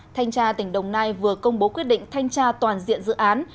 thanh tra tỉnh đồng nai vừa công bố quyết định thanh tra toàn diện dự án